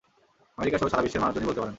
আমেরিকাসহ সারা বিশ্বের মানুষজনই বলতে পারেন।